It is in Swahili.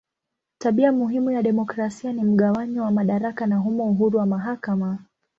Tabia muhimu ya demokrasia ni mgawanyo wa madaraka na humo uhuru wa mahakama.